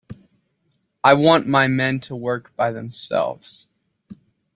I want my men to work by themselves.